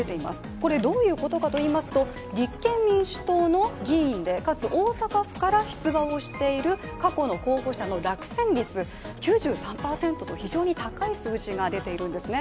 これ、どういうことかといいますと立憲民主党の議員でかつ大阪府から出馬をしている過去の候補者の落選率、９３％と非常に高い数字が出ているんですね。